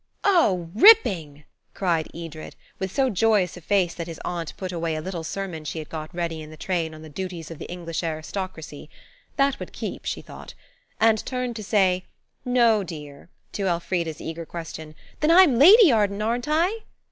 "Oh, ripping!" cried Edred, with so joyous a face that his aunt put away a little sermon she had got ready in the train on the duties of the English aristocracy–that would keep, she thought–and turned to say, "No, dear," to Elfrida's eager question, "Then I'm Lady Arden, aren't I?"